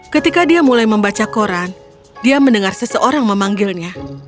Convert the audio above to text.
ketika dia mulai membaca koran dia mendengar seseorang memanggilnya